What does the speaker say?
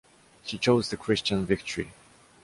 She chose the Christian victory.